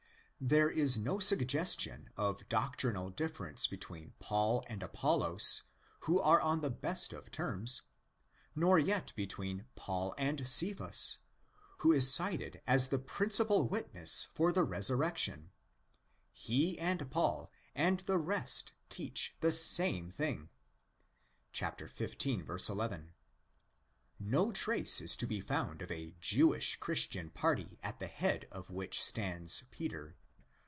There is no suggestion of doctrinal difference between Paul and Apollos, who are on the best of terms, nor yet between Paul and Cephas, who is cited as the principal witness for the resurrection. He and Paul and the rest teach the same thing (εἴτε οὖν ἐγὼ εἴτε ἐκεῖνοι, οὕτως κηρύσσομεν, Kal οὕτως ἐπιστεύσατε, XV. 11). No trace is to be found of a Jewish Christian party at the head of which stands Peter.